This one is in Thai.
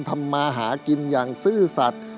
ทำมาหากินอย่างซื่อสัตว์